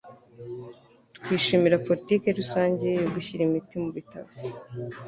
Twishimira politike rusange yo gushyira imiti mu bitaro